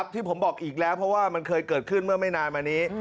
ที่ผมบอกอีกแล้วเพราะว่ามันเคยเกิดขึ้นเมื่อไม่นานมานี้